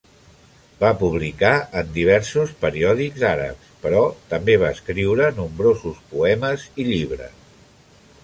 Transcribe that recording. Va publicar en diversos periòdics àrabs, però també va escriure nombrosos poemes i llibres.